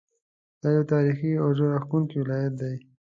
دا یو تاریخي او زړه راښکونکی ولایت دی.